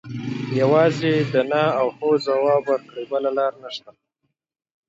یوازې د نه او هو ځواب ورکړي بله لاره نشته.